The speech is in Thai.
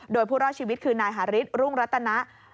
โดยผู้รอดชีวิตคือนายหาริสรุ่งรัตนะ